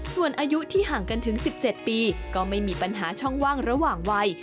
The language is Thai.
ส่วนอายุที่ห่างกันถึง๑๗ปีก็ไม่มีปัญหาช่องว่างระหว่างวัย